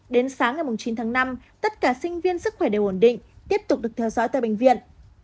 đến sáng ngày chín tháng năm tất cả sinh viên sức khỏe đều ổn định tiếp tục được theo dõi tại bệnh viện